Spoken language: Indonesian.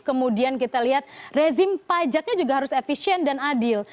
kemudian kita lihat rezim pajaknya juga harus efisien dan adil